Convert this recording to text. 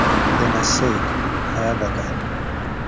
Then I said, 'I have a gun.